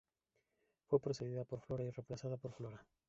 Fue precedida por "Flora" y reemplazada por "Flora.